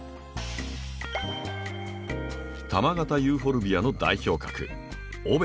球形ユーフォルビアの代表格